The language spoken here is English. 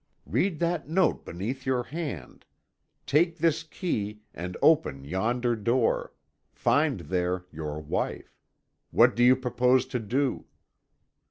Read that note beneath your hand; take this key, and open yonder door; find there your wife. What do you propose to do?"